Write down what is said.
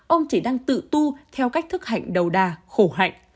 ông chỉ đang tự tu theo cách thức hạnh đầu đà khổ hạnh